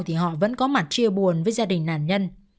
thì họ vẫn có mặt chia buồn với gia đình nạn nhân